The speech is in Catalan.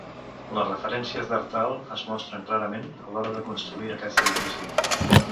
Les referències d'Artal es mostren clarament a l'hora de construir aquest edifici.